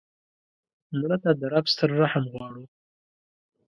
مړه ته د رب ستر رحم غواړو